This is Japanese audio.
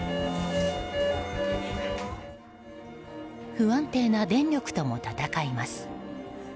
不安定な電力とも闘います。